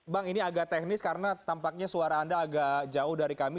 bang ini agak teknis karena tampaknya suara anda agak jauh dari kami